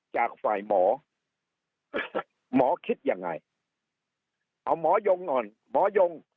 จากฝ่ายหมอหมอคิดยังไงเอาหมอยงก่อนหมอยง